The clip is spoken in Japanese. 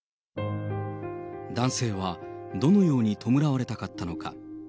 男性はどのように弔われたかったのか。